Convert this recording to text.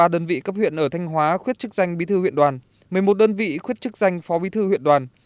ba đơn vị cấp huyện ở thanh hóa khuyết chức danh bí thư huyện đoàn một mươi một đơn vị khuyết chức danh phó bí thư huyện đoàn